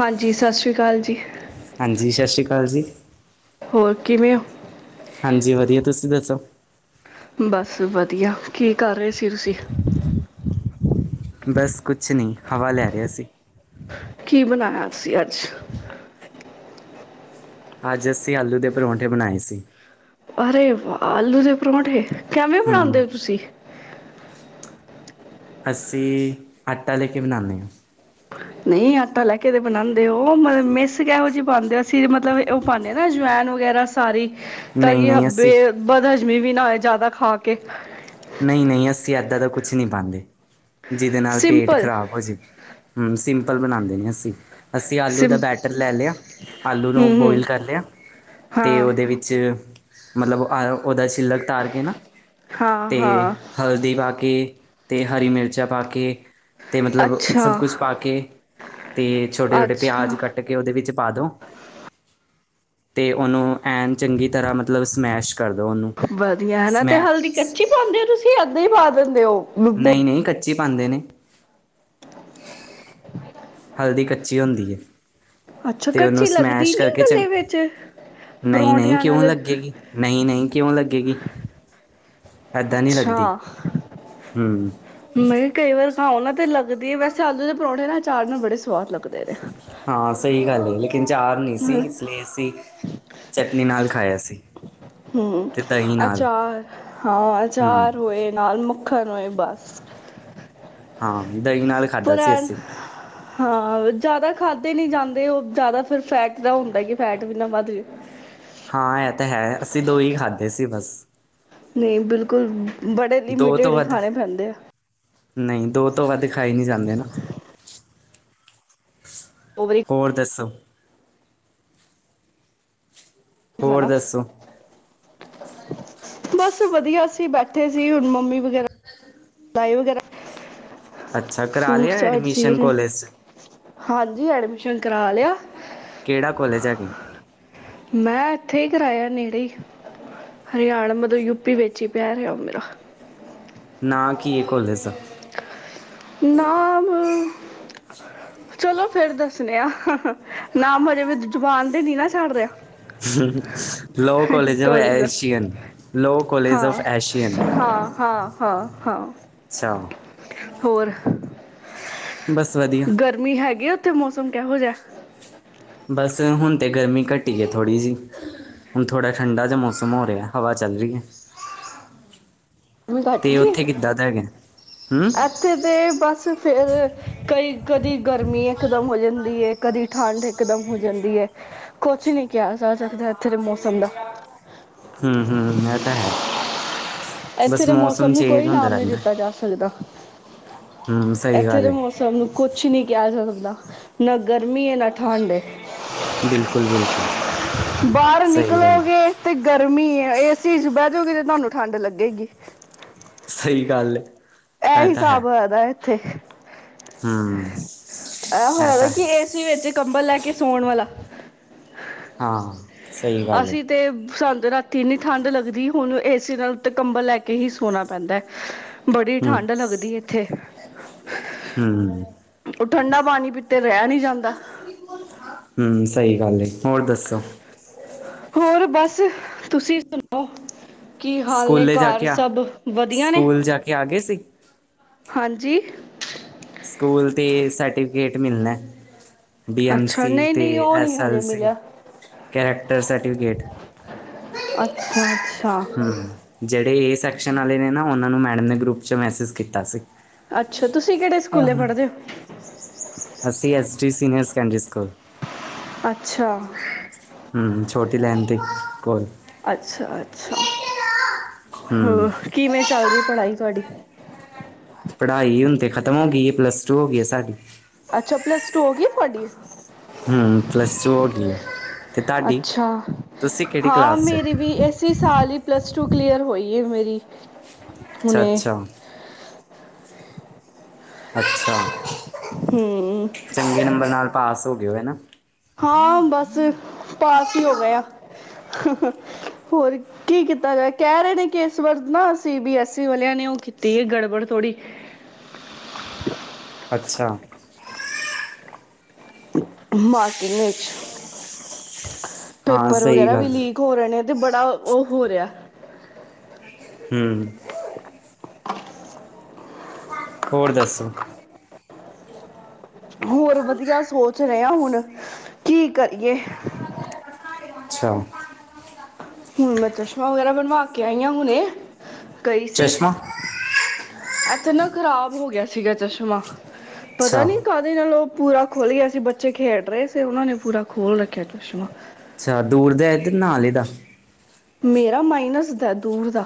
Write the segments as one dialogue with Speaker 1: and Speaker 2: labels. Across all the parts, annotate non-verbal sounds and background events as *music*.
Speaker 1: ਹਾਂਜੀ ਸਤਿ ਸ੍ਰੀ ਅਕਾਲ ਜੀ,
Speaker 2: ਹਾਂਜੀ ਸਤਿ ਸ਼੍ਰੀ ਅਕਾਲ ਜੀ,
Speaker 1: ਹੋਰ ਕਿਵੇਂ ਹੋ।
Speaker 2: ਹਾਂਜੀ ਵਧੀਆ ਤੁਸੀਂ ਦੱਸੋ,
Speaker 1: ਬਸ ਵਧੀਆ ਕੀ ਕਰ ਰਹੇ ਸੀ ਤੁਸੀਂ,
Speaker 2: ਬਸ ਕੁਛ ਨਹੀਂ ਹਵਾ ਲੈ ਰਿਹਾ ਸੀ।
Speaker 1: ਕੀ ਬਣਾਇਆ ਸੀ ਅੱਜ,
Speaker 2: ਅੱਜ ਅਸੀਂ ਆਲੂ ਦੇ ਪਰੌਂਠੇ ਬਣਾਏ ਸੀ।
Speaker 1: ਅਰੇ ਵਾਹ ਆਲੂ ਦੇ ਪਰੌਂਠੇ, ਕਿਵੇਂ ਬਣਾਉਂਦੇ
Speaker 2: ਹੂੰ
Speaker 1: ਹੋ ਤੁਸੀਂ,
Speaker 2: ਅਸੀਂ ਆਟਾ ਲੈ ਕੇ ਬਣਾਨੇ ਆ।
Speaker 1: ਨਹੀਂ ਆਟਾ ਲੈ ਕੇ ਤੇ ਬਣਾਉਂਦੇ, ਉਹ ਮਲ ਮਿਸ ਕੇਹੋ ਜਿਹੀ ਪਾਉਂਦੇ ਹੋ ਅਸੀਂ ਮਤਲਬ ਉਹ ਪਾਦੇ ਹਾਂ ਨਾ ਅਜਵੈਨ ਵਗੈਰਾ ਸਾਰੀ ਤਾਂ
Speaker 2: ਨਹੀਂ
Speaker 1: ਕਿ
Speaker 2: ਨਹੀਂ
Speaker 1: ਬੇ
Speaker 2: ਅਸੀਂ
Speaker 1: ਵਧਲ, ਇਵੇਂ ਵੀ ਨਾ ਹੋਏ ਜ਼ਿਆਦਾ ਖਾ ਕੇ
Speaker 2: ਨਹੀਂ- ਨਹੀਂ ਅਸੀਂ ਏਦਾਂ ਦਾ ਕੁਛ ਨਹੀਂ ਪਾਂਦੇ। ਜਿਹਦੇ ਨਾਲ ਪੇਟ
Speaker 1: ਸਿੰਪਲ
Speaker 2: ਖ਼ਰਾਬ ਹੋ ਜਾਵੇ ਹੂੰ ਸਿੰ ਪਲ ਬਣਾਦੇ ਨੇ ਅਸੀਂ, ਅਸੀਂ ਆਲੂ ਦਾ
Speaker 1: ਸਿੰ
Speaker 2: ਬੈਟਰ ਲੈ ਲਿਆ ਆਲੂ ਨੂੰ
Speaker 1: ਹੂੰ
Speaker 2: ਬੋਇਲ
Speaker 1: ਹੂੰ
Speaker 2: ਕਰ ਲਿਆ ਤੇ
Speaker 1: ਹਾਂ
Speaker 2: ਉਹਦੇ ਵਿੱਚ ਮਤਲਬ ਅਹ ਉਹਦਾ ਚ, ਛਿਲੜ ਤਾਰ ਕੇ ਨਾ
Speaker 1: ਹਾਂ
Speaker 2: ਤੇ
Speaker 1: ਹਾਂ
Speaker 2: ਹਲਦੀ ਪਾਕੇ ਕੇ ਅਤੇ ਹਰੀ ਮਿਰਚਾਂ ਪਾ ਕੇ ਅਤੇ ਮਤਲਬ ਸਭ
Speaker 1: ਅੱਛਾ
Speaker 2: ਕੁਛ ਪਾ ਕੇ ਅਤੇ ਛੋਟੇ-ਛੋਟੇ ਪਿਆਜ਼
Speaker 1: ਅੱਛਾ
Speaker 2: ਕੱਟ ਕੇ ਉਹਦੇ ਵਿੱਚ ਪਾ ਦਿਉ। ਤੇ ਉਹਨੂੰ ਐਨ ਚੰਗੀ ਤਰ੍ਹਾਂ ਮਤਲਬ ਸਮੈਸ਼ ਕਰ ਦੋ ਉਹਨੂੰ
Speaker 1: ਵਧੀਆ ਹਨਾ ਤੇ
Speaker 2: ਸਮੈ
Speaker 1: ਹਲਦੀ ਕੱਚੀ ਪਾਦੇ ਹੋ ਤੁਸੀਂ ਐਦਾ ਹੀ ਪਾ ਦਿੰਦੇ ਹੋ।
Speaker 2: ਨਹੀਂ-ਨਹੀਂ ਕੱ ਕੱਚੀ ਪਾਂਦੇ ਨੇ, ਹਲਦੀ ਕੱਚੀ ਹੁੰਦੀ ਹੈ।
Speaker 1: ਅੱਛਾ
Speaker 2: ਤੇ ਉਹਨੂੰ
Speaker 1: ਕੱਚੀ ਲੱਗਦੀ
Speaker 2: ਸਮੈਸ਼
Speaker 1: ਨੀ
Speaker 2: ਕਰਕੇ ਚੰ
Speaker 1: ਗਲੇ ਵਿੱਚ
Speaker 2: ਨਹੀਂ-ਨਹੀਂ
Speaker 1: ਪਰੌਂਠਿਆਂ
Speaker 2: ਕਿਉਂ
Speaker 1: ਨਾਲ
Speaker 2: ਲੱਗੇਗੀ ਨਹੀਂ-ਨਹੀਂ ਕਿਉਂ ਲੱਗੇਗੀ। ਏਦਾਂ ਨੀ
Speaker 1: ਅੱਛਾ
Speaker 2: ਲੱਗਦੀ ਹੂੰ
Speaker 1: ਮੈਂ ਕਈ ਵਾਰ ਹਾਂ ਉਹਨਾਂ 'ਤੇ ਲੱਗਦੀ ਹੈ, ਵੈਸੇ ਆਲੂ ਦੇ ਪਰੌਂਠੇਂ ਨਾ ਆਚਾਰ ਨਾਲ ਬੜੇ ਸਵਾਦ ਲੱਗਦੇ ਨੇ,
Speaker 2: ਹਾਂ ਸਹੀ ਗੱਲ ਲੇਕਿਨ ਚਾਰ ਨਹੀਂ ਸੀ, ਇਸ ਲਈ ਅਸੀਂ ਚਟਣੀ ਨਾਲ ਖਾਇਆ ਸੀ।
Speaker 1: ਹੂੰ,
Speaker 2: ਤੇ ਦਹੀਂ ਨਾਲ
Speaker 1: ਅਚਾਰ ਹਾਂ
Speaker 2: ਹੂੰ
Speaker 1: ਅਚਾਰ ਹੋਏ ਨਾਲ ਮਖ- ਖਰ ੳਏ ਬਸ
Speaker 2: ਹਾਂ, ਦਹੀਂ ਨਾਲ ਖਾਧਾ
Speaker 1: ਪਰ
Speaker 2: ਸੀ
Speaker 1: ਐਨ‌
Speaker 2: ਅਸੀਂ
Speaker 1: ਹਾਂ ਜ਼ਿਆਦਾ ਖਾਦੇੇ ਨੀ ਜਾਂਦੇ ਉਹ ਜ਼ਿਆਦਾ ਫਿਰ ਫੈਟ ਦਾ ਹੁੰਦਾ ਕਿ ਫੈਟ ਵੀ ਨਾ ਵੱਧ ਜੇ
Speaker 2: ਹਾਂ ਇਹ ਤਾਂ ਹੈ। ਅਸੀਂ ਦੋ ਹੀ ਖਾਧੇ ਸੀ ਬਸ।
Speaker 1: ਨਹੀਂ ਬਿਲਕੁਲ ਬੜੇ
Speaker 2: ਦੋ ਤੋਂ
Speaker 1: ਲਿਮਿਟਿਡ
Speaker 2: ਵੱਧ
Speaker 1: ਖਾਣੇ ਪੈਂਦੇ ਆ,
Speaker 2: ਨਹੀਂ ਦੋ ਤੋਂ ਵੱਧ, ਖਾਏ ਨਹੀਂ ਜਾਂਦੇ ਨਾ
Speaker 1: ਦੋ ਵਾਰੀ
Speaker 2: ਹੋਰ ਦੱਸੋ। ਹੋਰ
Speaker 1: ਖਾਣਾ
Speaker 2: ਦੱਸੋ
Speaker 1: ਬਸ ਵਧੀਆ ਸੀ। ਅਂ ਬੈਠੇ ਸੀ ਹੁਣ ਮੰਮੀ ਵਗੈਰਾ ਲਏ ਵਗੈਰਾ,
Speaker 2: ਅੱਛਾ ਕਰਾ ਲਿਆ
Speaker 1: ਸੁਟ ਸਾਟ ਸੀ
Speaker 2: ਐਡਮਿਸ਼ਨ
Speaker 1: ਰਹੇ,
Speaker 2: ਕੋਲਜ 'ਚ
Speaker 1: ਹਾਂਜੀ ਐਡ ਚ ਕਰਾਲਿਆ।
Speaker 2: ਕਿਹੜਾ ਕਾਲਜ ਹੈਗਾ।
Speaker 1: ਮੈਂ ਇੱਥੇ ਹੀ ਕਰਾਇਆ ਨੇੜੇ ਹਰਿਆਣਾ ਮਤਲਬ ਯੂਪੀ ਵਿੱਚ ਹੀ ਪੈ ਰਿਹਾ ਉਹ ਮੇਰਾ,
Speaker 2: ਨ ਕੀ ਇਹ ਕੋਲਜ
Speaker 1: ਨਾਮ ਚਲੋ ਫੇਰ ਦੱਸਨ ਆ ਨਾਮ ਹਜੇ ਮ ਜਵਾਨ ਤੇ ਨੀ ਨਾ ਛੱਡ ਰਿਹਾ
Speaker 2: ਲੋਅ ਕਾਲਜ ਫ
Speaker 1: ਕੋਲੀ ਦਾ
Speaker 2: ਐਸ਼ਅਨ ਲੋਅ ਕਾਲਜ
Speaker 1: ਹਾਂ
Speaker 2: ਫ ਐਸ਼ਅਨ
Speaker 1: ਹਾਂ ਹਾਂ ਹਾਂ ਹਾਂ
Speaker 2: ਅੱਛਾ
Speaker 1: ਹੋਰ
Speaker 2: ਬਸ ਵਧੀਆ
Speaker 1: ਗਰਮੀ ਹੈਗੀ ਆ ਉੱਥੇ ਮੌਸਮ ਕਿਹੋ ਜਿਹਾ
Speaker 2: ਬਸ ਹੁਣ ਤਾਂ ਗਰਮੀ ਘਟੀ ਹੈ ਥੋੜ੍ਹੀ ਜਿਹੀ ਹੁਣ ਥੋੜ੍ਹਾ ਠੰਡਾ ਜਿਹਾ ਮੌਸਮ ਹੋ ਰਿਹਾ ਹਵਾ ਚੱਲ ਰਹੀ ਹੈ
Speaker 1: ਗਰਮੀ ਘੱਟ
Speaker 2: ਤੇ
Speaker 1: ਗਈ
Speaker 2: ਉੱਥੇ ਕਿੱਦਾਂ ਦਾ ਹੈਗਾ ਹੂੰ
Speaker 1: ਇੱਥੇ ਤੇ ਬਸ ਫੇਰ ਕਈ ਕਦੀ ਗਰਮੀ ਇਕਦਮ ਹੋ ਜਾਂਦੀ ਕਦੀ ਠੰਡ ਇਕਦਮ ਹੋ ਜਾਂਦੀ ਹੈ ਕੁਛ ਨਹੀਂ ਕਿਹਾ ਜਾ ਸਕਦਾ ਇੱਥੇ ਦੇ ਮੌਸਮ ਦਾ
Speaker 2: ਹਮ ਹਮ ਇਹ ਤਾਂ ਹੈ
Speaker 1: ਇੱਥੇ
Speaker 2: ਬਸ
Speaker 1: ਦੇ
Speaker 2: ਮੌਸਮ
Speaker 1: ਨੂੰ
Speaker 2: ਚੇਂਜ
Speaker 1: ਕੋਈ
Speaker 2: ਹੁੰਦਾ
Speaker 1: ਨਾਮ ਨਹੀਂ
Speaker 2: ਰਹਿੰਦਾ
Speaker 1: ਦਿੱਤਾ ਜਾ ਸਕਦਾ
Speaker 2: ਹੂੰ ਸਹੀ
Speaker 1: ਇੱਥੇ
Speaker 2: ਗੱਲ
Speaker 1: ਦੇ
Speaker 2: ਹੈ
Speaker 1: ਮੌਸਮ ਨੂੰ ਕੁਛ ਨੀ ਕ ਨਾ ਗਰਮੀ ਨਾ ਠੰਡ
Speaker 2: ਬਿਲਕੁਲ ਬਿਲਕੁਲ
Speaker 1: ਬਾਹਰ
Speaker 2: ਸਹੀ ਗੱਲ ਹੈ
Speaker 1: ਨਿਕਲੋਗੇ ਤੇ ਗਰਮੀ ਹੈ ਏ ਚ ਚ ਬਹਿ ਜਾੋਗੀ ਤੇ ਤੁਹਾਨੂੰ ਠੰਢ ਲੱਗੇਗੀ
Speaker 2: ਸਹੀ ਗੱਲ
Speaker 1: ਇਹ
Speaker 2: ਤਾਂ ਹੈ
Speaker 1: ਹਿਸਾਬ *unintelligible* ਠੇ
Speaker 2: ਹੂੰ
Speaker 1: ਇਹ
Speaker 2: ਇਹ
Speaker 1: ਹੋਇਆ
Speaker 2: ਤਾਂ
Speaker 1: ਕਿ
Speaker 2: ਹੈ
Speaker 1: ਏਸ ਵਿੱਚ ਕੰਬਲ ਲੈ ਕੇ ਸੌਣ ਵਾਲਾ
Speaker 2: ਹਾਂ ਸਹੀ ਗੱਲ ਹੈ
Speaker 1: ਅਸੀਂ ਤੇ ਸਾਨੂੰ ਰਾਤੀ ਇੰਨੀ ਠੰਢ ਲੱਗਦੀ ਹੁਣੂੰ ਏਸੀ ਨਾਲ ਉੱਤੇ ਕੰਬਲ ਲੈ ਕੇ ਹੀ ਸੋਣਾ ਪੈਂਦਾ ਹੈ
Speaker 2: ਹੂੰ
Speaker 1: ਠੰਡ ਲੱਗਦੀ ਇੱਥੇ
Speaker 2: ਹੂੰ
Speaker 1: ਠੰਡਾ ਪਾਣੀ ਪ ਤੇ ਰਹਿ ਨੀ ਜਾਂਦਾ
Speaker 2: ਗੱਲੇ ਹੋਰ ਦੱਸੋ
Speaker 1: ਹੋਰ ਬਸ ਤੁਸੀਂ ਸੁਣਾਓ ਕੀ ਹਾਲ ਨੇ
Speaker 2: ਸਕੂਲੇ ਜਾ
Speaker 1: ਘਰ
Speaker 2: ਕੇ ਆ
Speaker 1: ਸਭ ਵਧੀਆ ਨੇ
Speaker 2: ਸਕੂਲ ਜਾ ਕੇ ਆ ਗਏ ਸੀ
Speaker 1: ਹਾਂਜੀ
Speaker 2: ਸਕੂਲ ਤੇ ਸਰਟੀਫਿਕੇਟ ਮਿਲਣਾ
Speaker 1: ਅੱਛਾ
Speaker 2: ਡੀਐਮਸੀ
Speaker 1: ਨਹੀਂ ਨਹੀਂ ਉਹ ਨਹੀਂ ਹਜੇ ਮਿਲਿਆ
Speaker 2: ਕੈਰੇੈਕਟਰ ਸਰਟੀਫਕੇਟ
Speaker 1: ਅੱਛਾ ਅੱਛਾ
Speaker 2: ਜਿਹੜੇ ਇਹ ਸੈਕਸ਼ਨ ਵਾਲੇ ਨੇ ਨਾ ਉਹ ਨੂੰ ਮੈਡਮ ਨੇ ਗਰੁਪ ਚ ਮੈਸੇਜ ਕੀਤਾ ਸੀ
Speaker 1: ਅੱਛਾ ਤੁਸੀਂ ਕਿਹੜੇ ਸਕੂਲੇ
Speaker 2: ਅਹ
Speaker 1: ਪੜ੍ਹਦੇ ਹੋ?
Speaker 2: ਅਸੀ ਅ ਸ੍ਰੀ ਸੀਨੀਅਰ ਸਕੈਂਡਰੀ ਸਕੂਲ
Speaker 1: ਅੱਛਾ
Speaker 2: ਹੂੰ ਛੋਟੀ ਲਾਈਨ ਤੇ ਕੋਲ
Speaker 1: ਅੱਛਾ ਅੱਛਾ
Speaker 2: ਹੂੰ
Speaker 1: ਹਮ ਕਿਵੇਂ ਚੱਲ ਰਹੀ ਪੜ੍ਹਾਈ ਤੁਹਾਡੀ
Speaker 2: ਪੜ੍ਹਾਈ ਹੁਣ ਤੇ ਖ਼ਤਮ ਹੋ ਗਈ ਹੈ ਪਲੱਸ ਟੂ ਹੋ ਗਈ ਹੈ ਸਾਡੀ
Speaker 1: ਅੱਛਾ ਪਲੱਸ ਟੂ ਹੋ ਗਈ ਤੁਹਾਡੀ
Speaker 2: ਹਮ ਪਲੱਸ ਟੂ ਹੋ ਗਈ ਹੈ ਤੇ ਤੁਹਾਡੀ
Speaker 1: ਅੱਛਾ
Speaker 2: ਤੁਸੀਂ ਕਿਹੜੀ
Speaker 1: ਹਾਂ
Speaker 2: ਕਲਾਸ ਚ
Speaker 1: ਮੇਰੀ ਵੀ ਇਸੇ ਸਾਲ ਹੀ ਪਲੱਸ ਟੂ ਕਲੀਅਰ ਹੋਈ ਹੈ ਮੇਰੀ
Speaker 2: ਅੱਛਾ
Speaker 1: ਹੁਣੇ
Speaker 2: ਅੱਛਾ ਅੱਛਾ
Speaker 1: ਹਮ
Speaker 2: ਚੰਗੇ ਨੰਬਰ ਨਾਲ ਪਾਸ ਹੋ *unintelligible* ਹੈ ਨਾ
Speaker 1: ਹਾਂ ਬਸ ਪਾਸ ਹੀ ਹੋ ਗਏ ਆ ਹੋਰ ਕੀ ਕੀਤਾ ਜਾਏ ਕਹਿ ਰਹੇ ਨੇ ਕੇ ਇਸ ਵਾਰ ਨਾ ਸੀ ਬੀ ਐਸ ਈ ਵਾਲਿਆਂ ਨੇ ਉਹ ਕੀਤੀ ਹੈ ਗੜਬੜ ਥੋੜੀ
Speaker 2: ਅੱਛਾ
Speaker 1: ਮਾਰਕਿੰਗ ਵਿੱਚ
Speaker 2: ਹਾਂ
Speaker 1: ਪੇਪਰ
Speaker 2: ਸਹੀ
Speaker 1: ਵਗੈਰਾ ਵੀ
Speaker 2: ਗੱਲ
Speaker 1: ਲੀਕ ਹੋ ਰਹੇ ਨੇ ਤੇ ਬੜਾ ਉਹ ਹੋ ਰਿਹਾ
Speaker 2: ਹਮ ਹੋਰ ਦੱਸੋ
Speaker 1: ਹੋਰ ਵਧੀਆ ਸੋਚ ਰਿਹਾ ਹੁਣ ਕੀ ਕਰੀਏ
Speaker 2: ਅੱਛਾ
Speaker 1: ਹੂਣ ਮੈ ਚਸ਼ਮਾਂ ਵਗੈਰਾ ਬਣਵਾ ਕੇ ਆਈਆਂ ਹੁਣੇ ਗਈ ਸੀ
Speaker 2: ਚਸ਼ਮਾ
Speaker 1: ਐ ਥੇ ਨਾ ਖ਼ਰਾਬ ਹੋ ਗਿਆ ਸੀਗਾ ਚਸ਼ਮਾ ਪਤਾ ਨੀ
Speaker 2: ਅੱਛਾ
Speaker 1: ਕਾਹਦੇ ਨਾਲ ਉਹ ਪੂਰਾ ਖੁਲ੍ਹ ਗਿਆ ਸੀ ਬੱਚੇ ਖੇਡ ਰਹੇ ਸੀ ਉਹਨਾਂ ਨੇ ਪੂਰਾ ਖੋਲ ਰੱਖਿਆ ਚਸ਼ਮਾ
Speaker 2: ਅੱਛਾ ਦੂਰ ਦਾ ਤੇ ਨਾਲੇ ਦਾ
Speaker 1: ਮੇਰਾ ਮਾਈਨਸ ਦਾ ਦੂਰ ਦਾ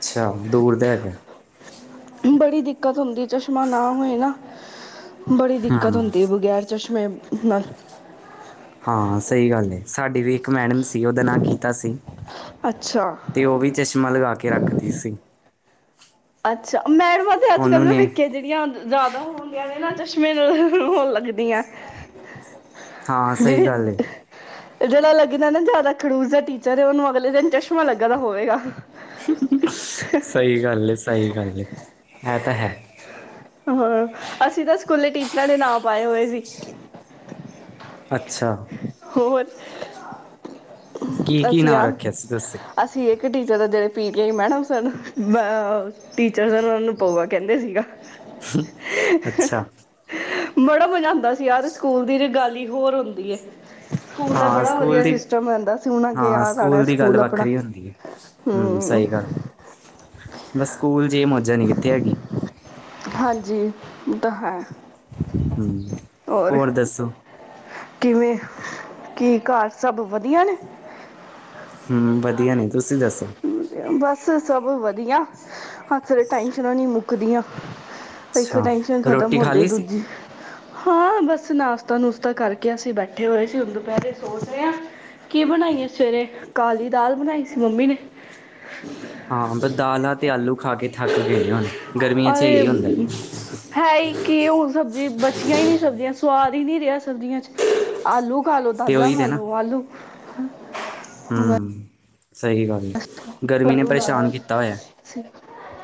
Speaker 2: ਅੱਛਾ ਦੂਰ ਤੇ ਹੈਗਾ
Speaker 1: ਬੜੀ ਦਿੱਕਤ ਹੁੰਦੀ ਚਸ਼ਮਾ ਨਾ ਹੋਏ ਨਾ ਬੜੀ
Speaker 2: ਹਾਂ
Speaker 1: ਦਿੱਕਤ ਹੁੰਦੀ ਬਗੈਰ। ਚਸ਼ਮੇ ਨਰ।
Speaker 2: ਹਾਂ ਸਹੀ ਗੱਲ ਹੈ ਸਾਡੀ ਵੀ ਇੱਕ ਮੈਡਮ ਸੀ ਉਹਦਾ ਨਾਂ ਗੀਤਾ ਸੀ
Speaker 1: ਅੱਛਾ
Speaker 2: ਤੇ ਉਹ ਵੀ ਚਸ਼ਮਾ ਲਗਾ ਕੇ ਰੱਖਦੀ ਸੀ।
Speaker 1: ਅੱਛਾ ਮੈਡਮਾਂ ਤੇ ਅੱਜ
Speaker 2: ਉਹਨੂੰ
Speaker 1: ਕੱਲ
Speaker 2: ਨੇ
Speaker 1: ਭਵਿੱਖੇ ਜਿਹੜੀਆਂ ਜ਼ਿਆਦਾ ਹੋਣਗੀਆਂ ਨੇ ਨਾਂ ਚਸ਼ਮੇ ਨੂੰ ਹੋਣ ਲੱਗਦੀਆਂ।
Speaker 2: ਹਾਂ ਸਹੀ
Speaker 1: ਜਿਹੜੀ
Speaker 2: ਗੱਲ ਏ
Speaker 1: ਜਿਹੜਾ ਲੱਗਦਾ ਨਾ ਜ਼ਿਆਦਾ ਖੜੂਸ ਦਾ ਟੀਚਰ ਹੈ। ਉਹਨੂੰ ਅਗਲੇ ਦਿਨ ਚਸ਼ਮਾ ਲੱਗਾ ਦਾ ਹੋਵੇਗਾ।
Speaker 2: ਸਹੀ ਗੱਲ ਸਹੀ ਗੱਲ ਹੈ। ਇਹ ਤਾਂ ਹੈ।
Speaker 1: ਹਾਂ ਅਸੀਂ ਤਾਂ ਸਕੂਲੇ ਟੀਚਰਾਂ ਦੇ ਨਾਂ ਪਾਏ ਹੋਏ ਸੀ।
Speaker 2: ਅੱਛਾ।
Speaker 1: ਹੋਰ।
Speaker 2: ਕੀ ਕੀ
Speaker 1: ਅਸੀਂ
Speaker 2: ਨਾਂ
Speaker 1: ਹਾਂ
Speaker 2: ਰੱਖਿਆ ਸੀ ਤੁਸੀਂ
Speaker 1: ਅਸੀਂ ਇੱਕ ਟੀਚਰ ਆ ਜਿਹੜੇ। P T I madam sir teacher ਸਨ ਉਹ ਨੂੰ ਭੋਗਾ ਕਹਿੰਦੇ ਸੀਗਾ।
Speaker 2: ਅੱਛਾ
Speaker 1: ਬੜਾ ਮਜ਼ਾ ਆਉਂਦਾ ਸੀ ਯਾਰ ਸਕੂਲ ਦੀ ਜੇ ਗਾਲੀ ਹੋਰ ਹੁੰਦੀ ਹੈ। *inaudible*
Speaker 2: ਹਾਂ ਸਕੂਲ ਦੀ
Speaker 1: ਹੁਣ ਅੱਗੇ
Speaker 2: ਹਾਂ
Speaker 1: ਯਾਦ ਆਣਾ
Speaker 2: ਸਕੂਲ ਦੀ ਗੱਲ
Speaker 1: ਆਪਣਾ।
Speaker 2: ਵੱਖਰੀ ਹੁੰਦੀ ਹੈ ਹਮ
Speaker 1: ਹੂੰ,
Speaker 2: ਸਹੀ ਗੱਲ ਹੈ ਬਸ ਸਕੂਲ। ਜੇ ਮੋਜ਼ਾ ਨਹੀ ਕਿੱਥੇ ਹੈਗੀ।
Speaker 1: ਹਾਂਜੀ ਤਾਂ ਹੈ।
Speaker 2: ਹਮ
Speaker 1: ਔਰ
Speaker 2: ਹੋਰ ਦੱਸੋ।
Speaker 1: ਕਿਵੇਂ ਕੀ ਘਰ ਸਭ ਵਧੀਆ ਨੇ।
Speaker 2: ਹਮ ਵਧੀਆ ਨੇ ਤੁਸੀਂ ਦੱਸੋ।
Speaker 1: ਬਸ ਸਭ ਵਧੀਆ ਹੱਥ ਟੈਂਨਸ਼ ਨੀ ਮੁੱਕਦੀਆਂ। ਇੱਕ
Speaker 2: ਅੱਛਾ
Speaker 1: ਟੈਨਸ਼ਨ ਖਤਮ
Speaker 2: ਰੋਟੀ ਖਾ
Speaker 1: ਹੁੰਦੀ ਹੈ
Speaker 2: ਲਈ ਸੀ
Speaker 1: ਦੂਜੀ ਹਾਂ ਬਸ ਨਾਸ਼ਤਾ -ਨੂਸ਼ਤਾ ਕਰਕੇ ਅਸੀਂ ਬੈਠੇ ਹੋਏ ਸੀ ਉਹਣ ਦੁਪਹਿਰੇ ਸੋਚ ਰਹੇ ਹਾਂ ਕੀ ਬਣਾਈ ਹੈ ਸਵੇਰੇ ਕਾਲੀ ਦਾਲ ਬਣਾਈ ਸੀ ਮੰਮੀ ਨੇ *unintelligible*
Speaker 2: ਹਾਂ ਤੇ ਦਾਲਾਂ ਤੇ ਆਲੂ ਖਾ ਕੇ ਥੱਕ ਕੇਏ ਹੋਣ ਗਰਮੀਆਂ ਚ
Speaker 1: ਔਰ
Speaker 2: ਇਹੀ ਹੁੰਦਾ
Speaker 1: ਇਹ ਤੇ ਬਚਿਆ ਹੀ ਨਹੀਂ ਚੱਲ ਰਿਹਾ ਸਵਾਦ ਹੀ ਨਹੀਂ ਰਿਹਾ ਸਰਦੀਆਂ ਚ ਆਲੂ। ਖਾ ਲੋ
Speaker 2: ਤੇ
Speaker 1: ਦਾਲਾਂ
Speaker 2: ਉਹੀ
Speaker 1: ਖਾ
Speaker 2: ਤੇ
Speaker 1: ਲ
Speaker 2: ਨਾ
Speaker 1: ਲੋ ਆਲੂ।
Speaker 2: ਹੂੰ ਸਹੀ ਗੱਲ। ਗਰਮੀ ਨੇ
Speaker 1: ਆਲੂ ਦਾਲਾਂ
Speaker 2: ਪਰੇਸ਼ਾਨ ਕੀਤਾ ਹੋਇਆ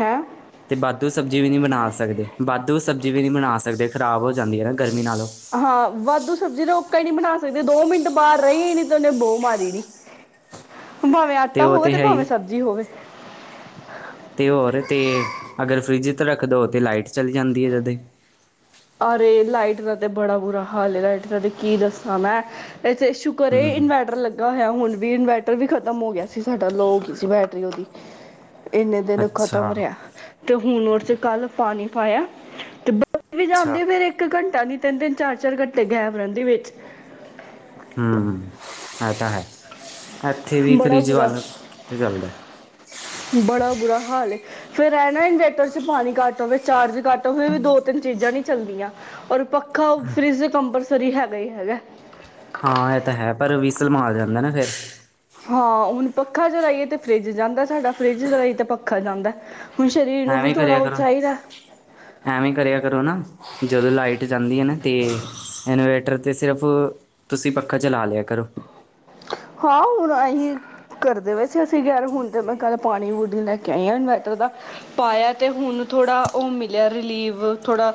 Speaker 1: ਹੈਂ
Speaker 2: ।ਤੇ ਵਾਧੂ ਸਬਜ਼ੀ ਵੀ ਨਹੀਂੀ ਬਣਾ ਸਕਦੇ। ਵਾਧੂ ਸਬਜ਼ੀ ਵੀ ਨਹੀਂੀ ਬਣਾ ਸਕਦੇ ਖ਼ਰਾਬ ਜਾਂਦੀਆਂ ਨਾ। ਗਰਮੀ ਨਾਲੋਂ
Speaker 1: ਹਾਂ ਵਾਧੂ ਸਬਜ਼ੀ *unintelligible* ਨੀ ਬਣਾ ਸਕਦੇ ਦੋ ਮਿੰਟ ਬਾਹਰ ਰਹੀ ਨ ਤੇ ਉਹਨੇ ਬੋਹ ਮਾਰੀ ਨੀ
Speaker 2: ਤੇ ਉਹ ਤੇ ਹੈ ਹੀ ਏ ਤੇ ਹੋਰ ਤੇ ਅਗਰ ਫਰਿੱਜ ਰੱਖ ਦੋ ਤੇ ਲਾਈਟਸ ਚਲੀ ਜਾਂਦੀ ਹੈ ਤਦੇ
Speaker 1: ਅਰੇ ਲਾਈਟ ਦਾ ਤੇ ਬੜਾ ਬੁਰਾ ਹਾਲ ਹੈ ਲਾਈਟ ਦਾ ਤੇ ਕੀ ਦੱਸਾਂ ਮੈਂ ਇੱਥੇ ਸ਼ੁਕਰ ਇਹ
Speaker 2: ਹੂੰ
Speaker 1: ਇਨਵੈਰਟਰ ਲੱਗਾ ਹੋਇਆ ਹੁਣ ਵੀ ਇਨਵੈਰਟਰ ਵੀ ਖ਼ਤਮ ਹੋ ਗਿਆ । ਸੀ ਸਾਡਾ ਲੋ ਹੋ ਗਈ ਸੀ ਬੈਟਰੀ ਉਹਦੀ ਇੰਨੇ ਦਿਨ ਖ਼ਤਮ
Speaker 2: ਅੱਛਾ
Speaker 1: ਰਿਹਾ, ਤੇ ਹੁਣ ਤੇ ਕੱਲ ਪਾਣੀ ਪਾਇਆ ਤੇ ਵੀ
Speaker 2: ਅੱਛਾ
Speaker 1: ਜਾਂਉਦੇ ਫੇਰ ਇੱਕ ਘੰਟਾ ਨੀ ਤਿੰਨ- ਤਿੰਨ, ਚਾਰ -ਚਾਰ ਘੰਟੇ ਗੈਪ ਰਹਿੰਦੀ ਵਿੱਚ
Speaker 2: ਹਮ, ਹੈ ਤਾਂ ਹੈ । ਇੱਥੇ ਵੀ
Speaker 1: ਬੜਾ
Speaker 2: ਕਰੀਜ਼
Speaker 1: ਬੁਰਾ
Speaker 2: ਵੱਲ ਕਿੱਥੇ ਚੱਲਦੇ ।
Speaker 1: ਬੜਾ ਬੁਰਾ ਹਾਲ ਏ, ਫੇਰ ਇਹ ਨਾ ਇਨਵੇਟਰ ਚ ਪਾਣੀ ਘੱਟ ਹੋਵੇ ਚਾਰਜ ਘੱਟ ਹੋਵੇ ਵੀ ਦੋ- ਤਿੰਨ ਚੀਜ਼ਾਂ ਨੀ ਚੱਲਦੀਆਂ । ਔਰ ਪੱਖਾ, ਫਰਿਜ *inaudible* ਰੀ ਹੈਗਾ ਹੀ ਹੈਗਾ ।
Speaker 2: ਹਾਂ ਇਹ ਤਾਂ ਹੈ, ਪਰ ਵੀਸਲ ਮਾਰ ਜਾਂਦਾ ਨਾ ਫਿਰ
Speaker 1: ਹਾਂ, ਹੁਣ ਪੱਖਾ ਚਲਾਈਏ ਤੇ ਫਰਿੱਜ ਜਾਂਦਾ ਸਾਡਾ, ਫਰਿੱਜ ਚਲਾਈਏ ਤਾਂ ਪੱਖਾ ਜਾਂਦਾ ।
Speaker 2: ਐਵੇਂ ਕਰਿਆ ਕਰੋ, ਐਵੇਂ ਕਰਿਆ ਕਰੋ ਨਾ । ਜਦੋਂ ਲਾਈਟ ਜਾਂਦੀ ਏ ਨਾ ਤੇ ਇਨ *inaudible* ਤੇ ਸਿਰਫ ਤੁਸੀਂ ਪੱਖਾ ਚਲਾ ਲਿਆ ਕਰੋ
Speaker 1: ਹਾਂ, ਹੁ ਅਹੀਂ ਕਰਦੇ ਪਏ ਅਸੀ ਯਾਰ ਹੁਣ ਤੇ ਮੈਂ ਕੱਲ ਪਾਣੀ ਦੀ ਵੋਟਲ ਲੈ ਕੇ ਆਈ ਆ ਇਨਵਰਟਰ ਦਾ ਪਾਇਆ ਤੇ ਹੁਣ ਥੋੜਾ ਉਹ ਮਿਲਿਆ ਰਿਲੀਵ ਥੋੜਾ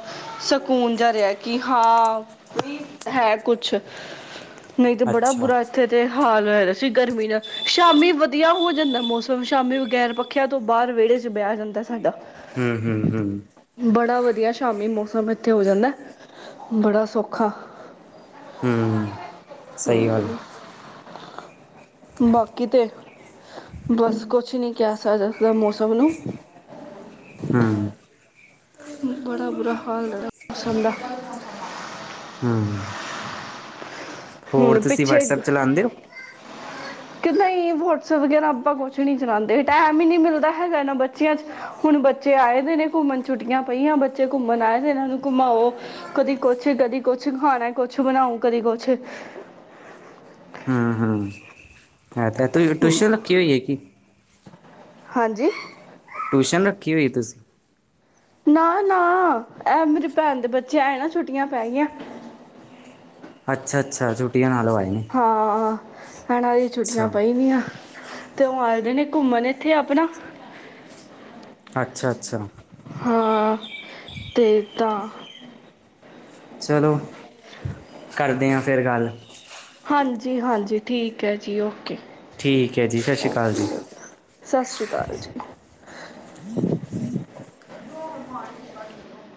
Speaker 1: ਸਕੂਨ ਜਿਹਾ ਰਿਹਾ ਕਿ ਹਾਂ, ਹੈ ਕੁਛ ਬੜਾ
Speaker 2: ਅੱਛਾ
Speaker 1: ਬੁਰਾ ਇੱਥੇ ਤੇ ਹਾਲ *inaudible* ਸੀ ਗਰਮੀ ਨਾਲ ਸ਼ਾਮੀ ਵਧੀਆ ਹੋ ਜਾਂਦਾ ਮੌਸਮ ਸ਼ਾਮੀ ਬਗੈਰ ਪੱਖਿਆਂ ਤੋਂ ਬਾਹਰ ਵਿਹੜੇ ਚ ਬੈਹ ਜਾਂਦਾ । ਸਾਡਾ,
Speaker 2: ਹੂੰ ਹੂੰ ਹੂੰ
Speaker 1: ਬੜਾ ਵ ਸ਼ਾਮੀ ਮੌਸਮ ਕਿੱਥੇ ਹੋ ਜਾਂਦਾ । ਬੜਾ ਸੌਖਾ
Speaker 2: ਹਮ
Speaker 1: ਹਮ ਬਾਕੀ ਤੇ ਬਸ ਕੁਛ ਨਹੀਂ ਕਿਹ ਸਕਦੇ *inaudible* ਮੌਸਮ ਨੂੰ
Speaker 2: ਹੂੰ ਹੂੰ
Speaker 1: *unintelligible*
Speaker 2: ਹੋਰ
Speaker 1: ਹੁਣ
Speaker 2: ਤੁਸੀਂ
Speaker 1: ਪਿੱਛੇ,
Speaker 2: ਵਟਸਐਪ ਚਲਾਉਂਦੇ ਹੋ
Speaker 1: ਕਿੱਦਾਂ ਹੀ ਵੋਟ ਵਗੈਰਾ ਆਪਾਂ ਕੁਛ ਨੀ ਚਲਾਉਦੇ ਟਾਈਮ ਹੀ ਨ ਨਹੀਂ ਮਿਲਦਾ ਹੈਗਾ ਇਹਨਾਂ ਬੱਚਿਆਂ ਚ ਹੁਣ ਬੱਚੇ ਆਏ ਦੇ ਨੇ ਘੁੰਮਣ ਛੁੱਟੀਆਂ ਪਈਆਂ ਬੱਚੇ ਘੁੰਮਣ ਆਏ ਇਹਨਾਂ ਨੂੰ ਘੁੰਮਾਓ ਕਦੀ ਕੁਛ ਕਦੀ ਕੁਛ ਖਾਣਾ ਕੁਛ ਬਣਾਓ ਕਦੀ ਕੁਛ
Speaker 2: ਹਾਂ- ਹਾਂ ਹਾਂ ਤੇ ਟੂ- ਟਊਸ਼ਸ਼ਨ ਰੱਖੀ ਹੋ ਹੈ ਕਿ
Speaker 1: ਹਾਂਜੀ
Speaker 2: ਟਿਊਸ਼ਨ ਰੱਖੀ ਹੋਈ ਤੁਸੀਂ,
Speaker 1: ਨਾ-ਨਾ ਇਹ ਮੇਰੀ ਭੈਣ ਦੇ ਬੱਚੇ ਐਏ ਨਾ ਛੁੱਟੀਆਂ ਪੈ ਗਈਆਂ।
Speaker 2: ਅੱਛਾ-ਅੱਛਾ ਛੁੱਟੀਆਂ ਨਾ
Speaker 1: ਹਾਂ, *unintelligible* ਆਣ ਦੀ ਛੁੱਟੀਆਂ
Speaker 2: ਅੱਛਾ
Speaker 1: ਪੇ ਗਈਆਂ ਤੇ ਉਹ ਅ ਘੁੰਮਣ ਇੱਥੇ ਆਪਣਾ
Speaker 2: ਅੱਛਾ-ਅੱਛਾ,
Speaker 1: ਹਾਂ, ਤੇ ਤਾਂ,
Speaker 2: ਚਲੋ ਕਰਦੇ ਹਾਂ। ਫਿਰ ਗੱਲ,
Speaker 1: ਹਾਂਜੀ-ਹਾਂਜੀ ਠੀਕ ਹੈ, ਜੀ ਓਕੇ,
Speaker 2: ਠੀਕ ਹੈ ਜੀ ਸਤਿ ਸ਼੍ਰੀ ਅਕਾਲ ਜੀ
Speaker 1: ਸਤਿ ਸ਼੍ਰੀ ਅਕਾਲ ਜੀ, *inaudible*